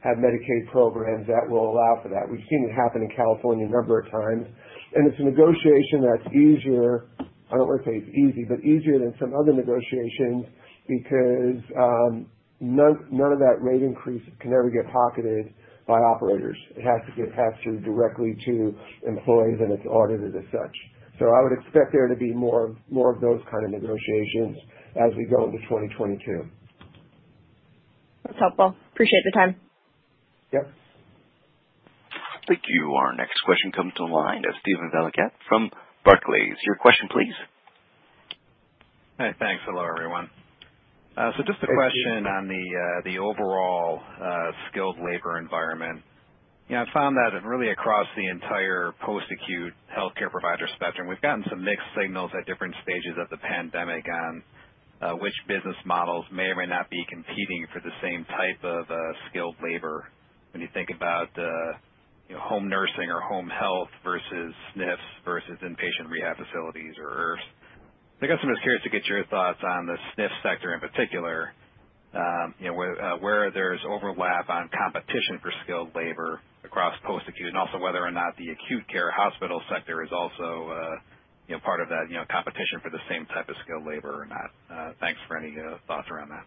have Medicaid programs that will allow for that. We've seen it happen in California a number of times. It's a negotiation that's easier. I don't want to say it's easy, but easier than some other negotiations because none of that rate increase can ever get pocketed by operators. It has to get passed through directly to employees, and it's audited as such. I would expect there to be more of those kind of negotiations as we go into 2022. That's helpful. Appreciate the time. Yep. Thank you. Our next question comes to the line of Steven Valiquette from Barclays. Your question please. Hey, thanks. Hello, everyone. Thank you. Just a question on the overall skilled labor environment. You know, I found that really across the entire post-acute healthcare provider spectrum, we've gotten some mixed signals at different stages of the pandemic on which business models may or may not be competing for the same type of skilled labor. When you think about you know home nursing or home health versus SNFs versus inpatient rehab facilities or IRFs. I guess I'm just curious to get your thoughts on the SNF sector in particular, you know, where there's overlap on competition for skilled labor across post-acute, and also whether or not the acute care hospital sector is also you know part of that you know competition for the same type of skilled labor or not. Thanks for any thoughts around that.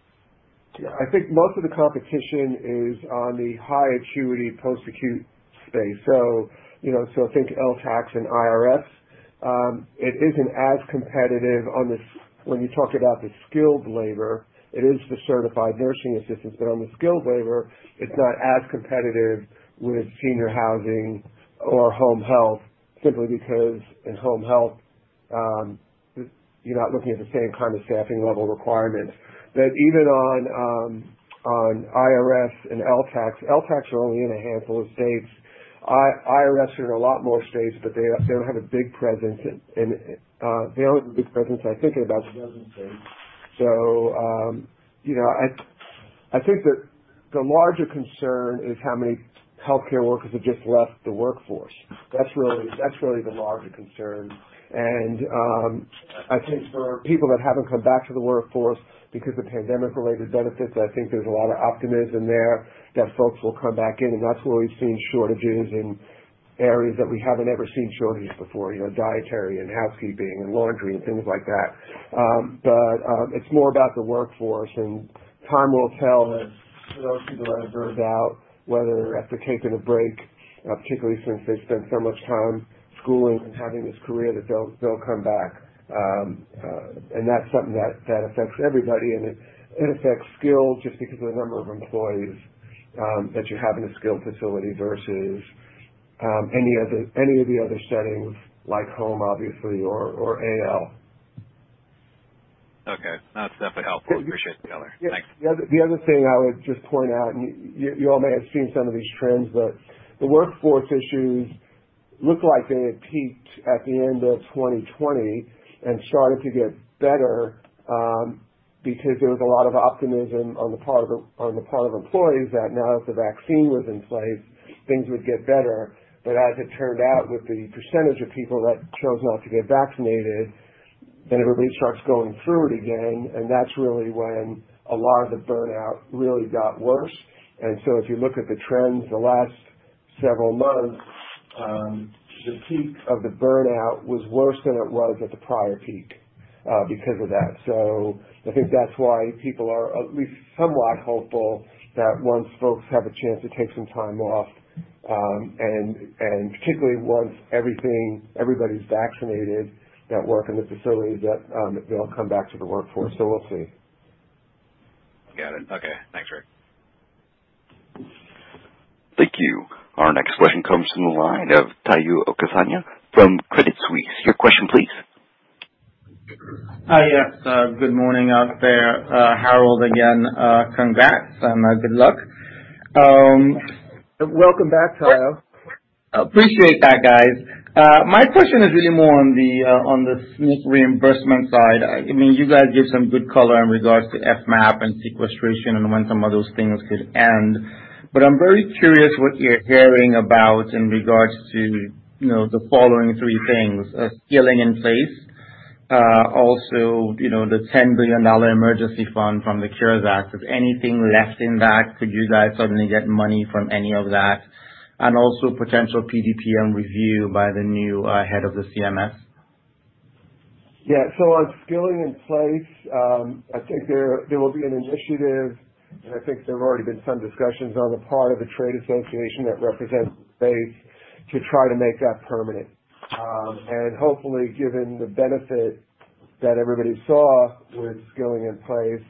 Yeah. I think most of the competition is on the high acuity post-acute space. You know, I think LTACs and IRFs. It isn't as competitive when you talk about the skilled labor. It is the certified nursing assistants, but on the skilled labor, it's not as competitive with senior housing or home health simply because in home health you're not looking at the same kind of staffing level requirements that even on IRFs and LTACs. LTACs are only in a handful of states. IRFs are in a lot more states, but they don't have a big presence, I think, in about a dozen states. You know, I think that the larger concern is how many healthcare workers have just left the workforce. That's really the larger concern. I think for people that haven't come back to the workforce because of pandemic-related benefits, I think there's a lot of optimism there that folks will come back in. That's where we've seen shortages in areas that we haven't ever seen shortages before, you know, dietary and housekeeping and laundry and things like that. It's more about the workforce, and time will tell that those people that have burned out, whether after taking a break, particularly since they spent so much time schooling and having this career, that they'll come back. That's something that affects everybody. It affects skilled just because of the number of employees that you have in a skilled facility versus any of the other settings like home, obviously, or AL. Okay. That's definitely helpful. Appreciate the color. Thanks. The other thing I would just point out, and you all may have seen some of these trends, but the workforce issues look like they had peaked at the end of 2020 and started to get better, because there was a lot of optimism on the part of employees that now that the vaccine was in place, things would get better. As it turned out, with the percentage of people that chose not to get vaccinated, then everybody starts going through it again, and that's really when a lot of the burnout really got worse. If you look at the trends the last several months, the peak of the burnout was worse than it was at the prior peak, because of that. I think that's why people are at least somewhat hopeful that once folks have a chance to take some time off, and particularly once everybody's vaccinated that work in the facility, they'll come back to the workforce. We'll see. Got it. Okay. Thanks, Rick. Thank you. Our next question comes from the line of Omotayo Okusanya from Credit Suisse. Your question please. Hi. Yes. Good morning out there. Harold, again, congrats and good luck. Welcome back, Tayo. Appreciate that, guys. My question is really more on the on the SNF reimbursement side. I mean, you guys give some good color in regards to FMAP and sequestration and when some of those things could end. I'm very curious what you're hearing about in regards to, you know, the following three things, skilling in place. Also, you know, the $10 billion emergency fund from the CARES Act. Is anything left in that? Could you guys suddenly get money from any of that? And also potential PDPM review by the new head of the CMS. Yeah. On skilling in place, I think there will be an initiative, and I think there have already been some discussions on the part of the trade association that represents the space to try to make that permanent. Hopefully, given the benefit that everybody saw with skilling in place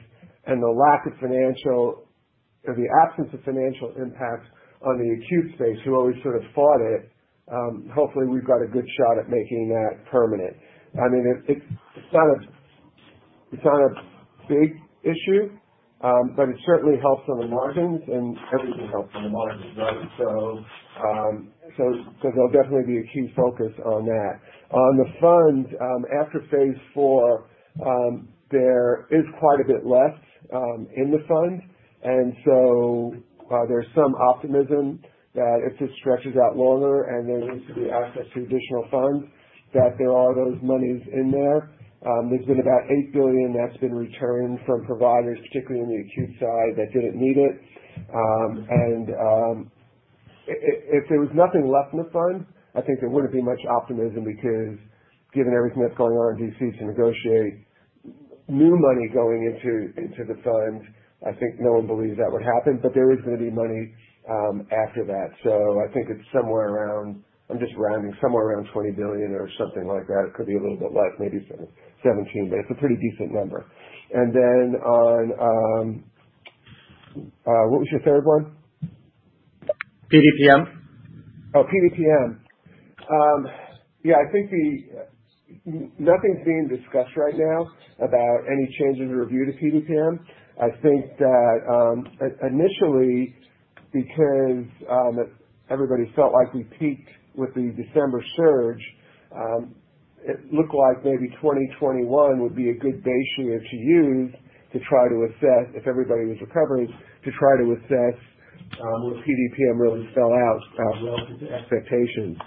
and the lack of financial or the absence of financial impact on the acute space, who always sort of fought it, hopefully we've got a good shot at making that permanent. I mean, it's not a big issue, but it certainly helps on the margins and everything helps on the margins, right? There'll definitely be a key focus on that. On the fund, after phase four, there is quite a bit left in the fund. There's some optimism that if this stretches out longer and there needs to be access to additional funds, that there are those monies in there. There's been about $8 billion that's been returned from providers, particularly on the acute side, that didn't need it. If there was nothing left in the fund, I think there wouldn't be much optimism because given everything that's going on in D.C. to negotiate new money going into the fund, I think no one believes that would happen. There is gonna be money after that. I think it's somewhere around, I'm just rounding, somewhere around $20 billion or something like that. It could be a little bit less, maybe 17, but it's a pretty decent number. What was your third one? PDPM. Oh, PDPM. Yeah, I think nothing's being discussed right now about any change or review to PDPM. I think that initially, because everybody felt like we peaked with the December surge, it looked like maybe 2021 would be a good base year to use to try to assess, if everybody was recovering, to try to assess where PDPM really fell out relative to expectations.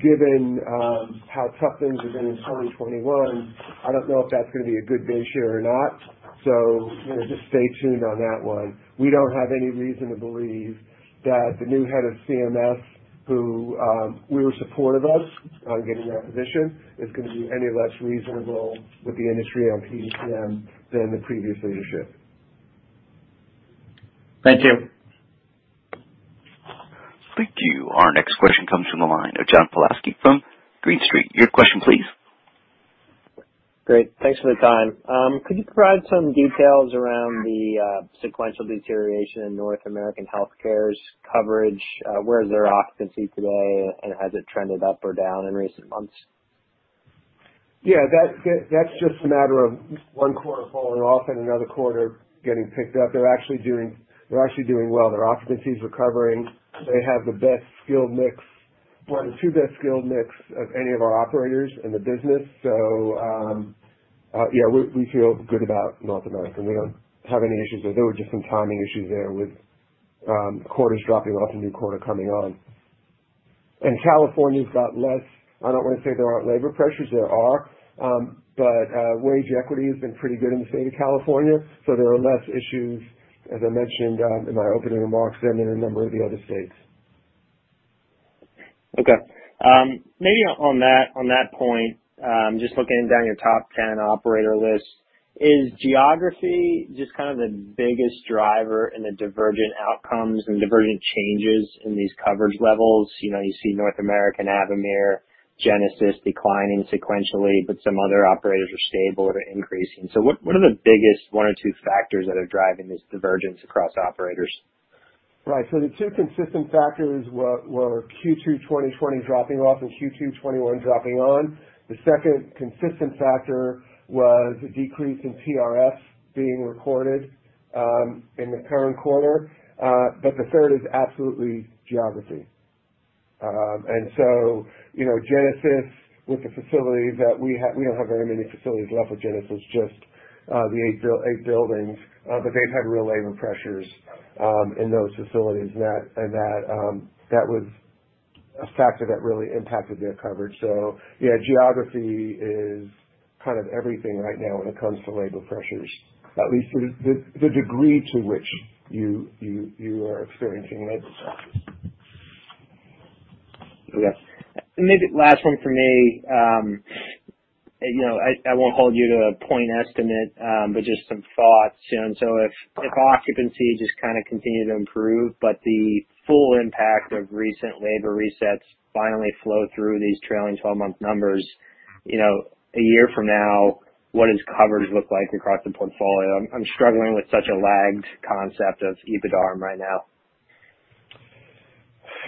Given how tough things have been in 2021, I don't know if that's gonna be a good base year or not. You know, just stay tuned on that one. We don't have any reason to believe that the new head of CMS, who we were supportive of on getting that position, is gonna be any less reasonable with the industry on PDPM than the previous leadership. Thank you. Thank you. Our next question comes from the line of John Pawlowski from Green Street. Your question please. Great. Thanks for the time. Could you provide some details around the sequential deterioration in North American Health Care's coverage? Where is their occupancy today, and has it trended up or down in recent months? Yeah, that's just a matter of one quarter falling off and another quarter getting picked up. They're actually doing well. Their occupancy is recovering. They have the best skilled mix, or the two best skilled mix of any of our operators in the business. Yeah, we feel good about North American Health Care. We don't have any issues there. There were just some timing issues there with quarters dropping off, a new quarter coming on. California's got less, I don't wanna say there aren't labor pressures, there are, but wage equity has been pretty good in the state of California, so there are less issues, as I mentioned, in my opening remarks than in a number of the other states. Okay, maybe on that point, just looking down your top ten operator list, is geography just kind of the biggest driver in the divergent outcomes and divergent changes in these coverage levels? You know, you see North American Health Care, Avamere, Genesis HealthCare declining sequentially, but some other operators are stable, they're increasing. What are the biggest one or two factors that are driving this divergence across operators? Right. The two consistent factors were Q2 2020 dropping off and Q2 2021 dropping on. The second consistent factor was a decrease in PRFs being recorded in the current quarter. The third is absolutely geography. We don't have very many facilities left with Genesis, just the eight buildings, but they've had real labor pressures in those facilities, and that was a factor that really impacted their coverage. Yeah, geography is kind of everything right now when it comes to labor pressures, at least the degree to which you are experiencing labor pressures. Yeah. Maybe last one from me. You know, I won't hold you to a point estimate, but just some thoughts. You know, if occupancy just kinda continue to improve, but the full impact of recent labor resets finally flow through these trailing 12-month numbers, you know, a year from now, what does coverage look like across the portfolio? I'm struggling with such a lagged concept of EBITDA right now.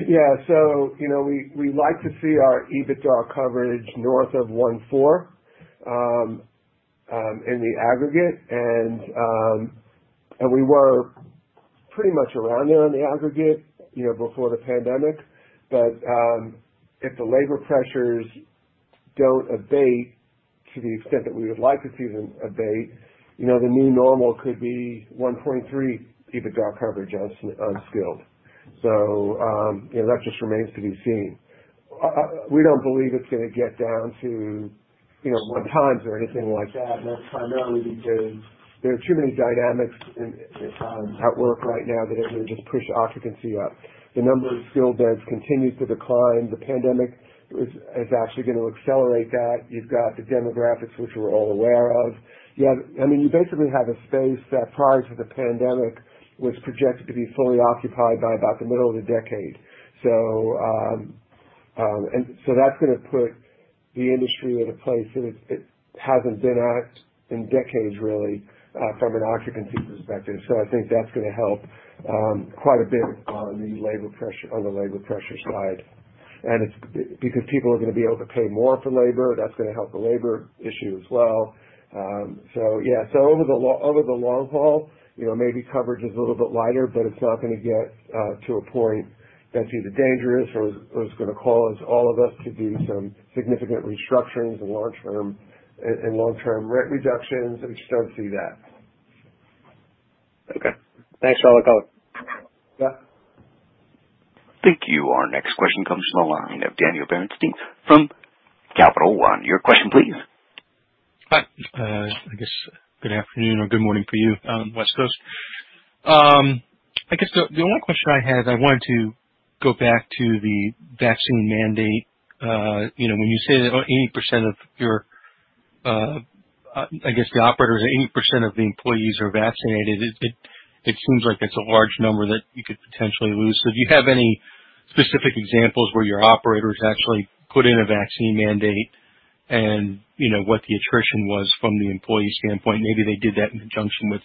Yeah. You know, we like to see our EBITDA coverage north of 1.4x in the aggregate. We were pretty much around there in the aggregate, you know, before the pandemic. If the labor pressures don't abate to the extent that we would like to see them abate, you know, the new normal could be 1.3x EBITDA coverage for skilled. You know, that just remains to be seen. We don't believe it's gonna get down to, you know, 1x or anything like that, and that's primarily because there are too many dynamics at work right now that are gonna just push occupancy up. The number of skilled beds continues to decline. The pandemic is actually gonna accelerate that. You've got the demographics, which we're all aware of. I mean, you basically have a space that prior to the pandemic was projected to be fully occupied by about the middle of the decade. That's gonna put the industry at a place that it hasn't been at in decades, really, from an occupancy perspective. I think that's gonna help quite a bit on the labor pressure, on the labor pressure side. It's because people are gonna be able to pay more for labor, that's gonna help the labor issue as well. Yeah. Over the long haul, you know, maybe coverage is a little bit lighter, but it's not gonna get to a point that's either dangerous or is gonna cause all of us to do some significant restructurings and long-term rent reductions. We just don't see that. Okay. Thanks for the call. Yeah. Thank you. Our next question comes from the line of Daniel Bernstein from Capital One. Your question please. Hi. I guess good afternoon or good morning for you, West Coast. I guess the only question I had. I wanted to go back to the vaccine mandate. You know, when you say that 80% of your, I guess the operators, 80% of the employees are vaccinated, it seems like that's a large number that you could potentially lose. Do you have any specific examples where your operators actually put in a vaccine mandate and, you know, what the attrition was from the employee standpoint? Maybe they did that in conjunction with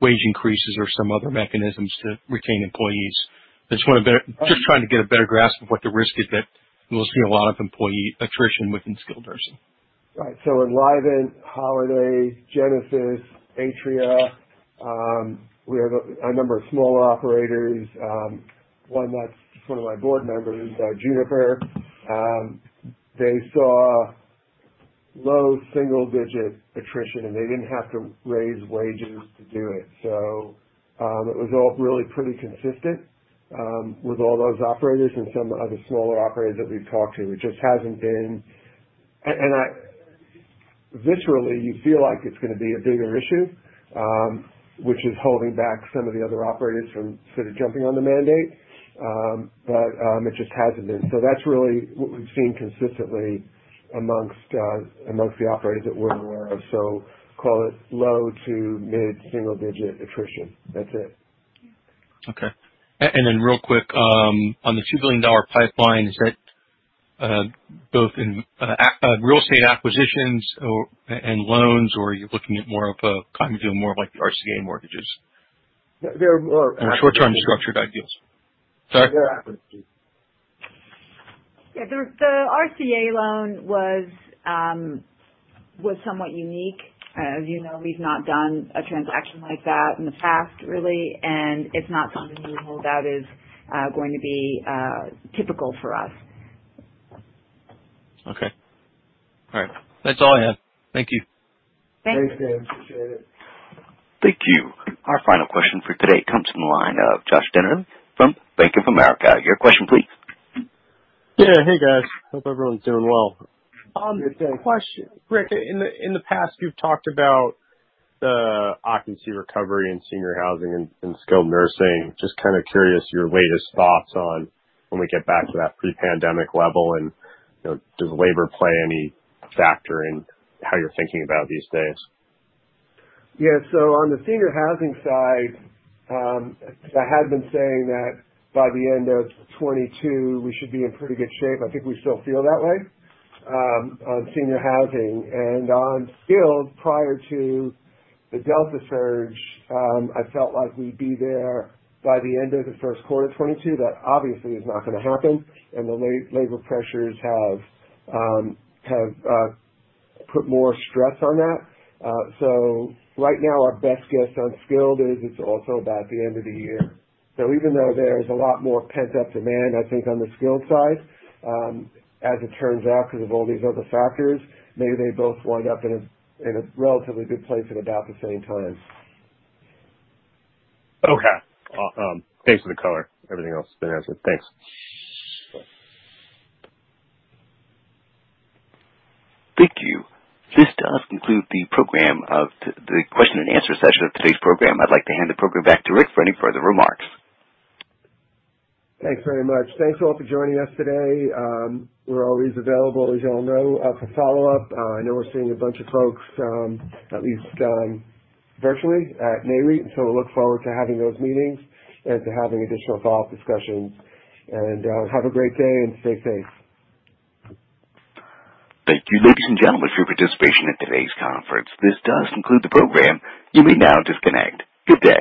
wage increases or some other mechanisms to retain employees. I just wanna better- Uh- Just trying to get a better grasp of what the risk is that you will see a lot of employee attrition within skilled nursing. Right. Enlivant, Holiday, Genesis, Atria, we have a number of smaller operators. One that's one of my board members, Juniper. They saw low single digit attrition, and they didn't have to raise wages to do it. It was all really pretty consistent with all those operators and some other smaller operators that we've talked to. It just hasn't been. Viscerally, you feel like it's gonna be a bigger issue, which is holding back some of the other operators from sort of jumping on the mandate. It just hasn't been. That's really what we've seen consistently amongst the operators that we're aware of. Call it low to mid single digit attrition. That's it. Okay. Real quick, on the $2 billion pipeline, is that both in real estate acquisitions and loans or are you looking at more of a kind of doing more of like the RCA mortgages? They're more- Short-term structured deals. Sorry? They're Yeah. The RCA loan was somewhat unique. As you know, we've not done a transaction like that in the past, really, and it's not something we hold out as going to be typical for us. Okay. All right. That's all I have. Thank you. Thank you. Thanks, Dan. Appreciate it. Thank you. Our final question for today comes from the line of Joshua Dennerlein from Bank of America. Your question please. Yeah. Hey, guys. Hope everyone's doing well. Good, thanks. Question. Rick, in the past, you've talked about the occupancy recovery in senior housing and skilled nursing. Just kinda curious your latest thoughts on when we get back to that pre-pandemic level and, you know, does labor play any factor in how you're thinking about these days? Yeah. On the senior housing side, I had been saying that by the end of 2022 we should be in pretty good shape. I think we still feel that way on senior housing. On skilled, prior to the Delta surge, I felt like we'd be there by the end of the first quarter 2022. That obviously is not gonna happen. The labor pressures have put more stress on that. Right now our best guess on skilled is it's also about the end of the year. Even though there's a lot more pent-up demand, I think on the skilled side, as it turns out, because of all these other factors, maybe they both wind up in a relatively good place at about the same time. Okay. Thanks for the color. Everything else has been answered. Thanks. Sure. Thank you. This does conclude the program of the question and answer session of today's program. I'd like to hand the program back to Rick for any further remarks. Thanks very much. Thanks all for joining us today. We're always available, as you all know, for follow-up. I know we're seeing a bunch of folks, at least, virtually at Nareit, and so we look forward to having those meetings and to having additional follow-up discussions. Have a great day and stay safe. Thank you, ladies and gentlemen, for your participation in today's conference. This does conclude the program. You may now disconnect. Good day.